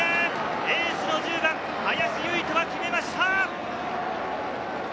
エース１０番・林結人が決めました！